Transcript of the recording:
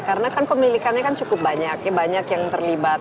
karena kan pemilikannya kan cukup banyak banyak yang terlibat